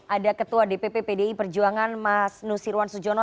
ada ketua dpp pdi perjuangan mas nusirwan sujono